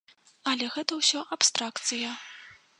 Але гэта ўсё абстракцыя.